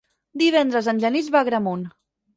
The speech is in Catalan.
Divendres en Genís va a Agramunt.